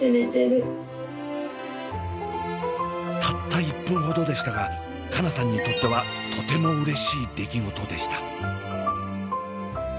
たった１分ほどでしたが佳奈さんにとってはとてもうれしい出来事でした。